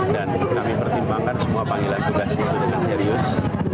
dan kami pertimbangkan semua panggilan tugas itu dengan serius